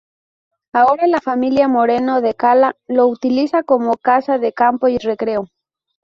Ahora la familia Moreno de Cala lo utiliza como casa de campo y recreo.